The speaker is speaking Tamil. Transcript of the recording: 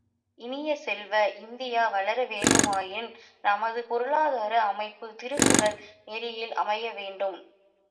இனிய செல்வ, இந்தியா வளர வேண்டுமாயின் நமது பொருளாதார அமைப்பு திருக்குறள் நெறியில் அமைய வேண்டும்.